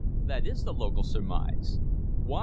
"That is the local surmise." "Why?"